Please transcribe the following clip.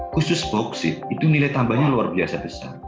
khusus bauksit itu nilai tambahnya luar biasa besar